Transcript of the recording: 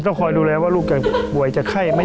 คอยดูแลว่าลูกจะป่วยจะไข้ไหม